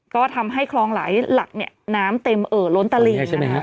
ก็ทำให้คลองหลายหลักน้ำเต็มเอ่อล้นตะหรี่